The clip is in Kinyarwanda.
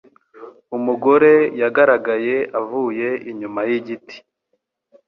Umugore yagaragaye avuye inyuma yigiti.